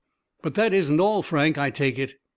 "But that isn't all, Frank, I take it?"